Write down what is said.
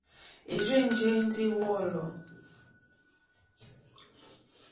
É rzènjé ndí wɔ̌lɔ̀.